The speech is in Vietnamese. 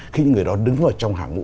khi những người đó đứng vào trong hàng ngụ